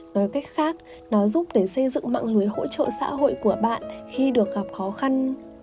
nói cách khác nó giúp để xây dựng mạng lưới hỗ trợ xã hội của bạn khi được gặp khó khăn